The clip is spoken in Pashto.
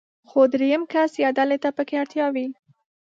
خو درېم کس يا ډلې ته پکې اړتيا وي.